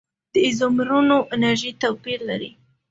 د ایزومرونو انرژي توپیر لري.